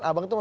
agak gini ya